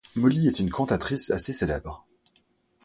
Molly est une cantatrice assez célèbre.